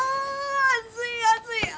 暑い暑い！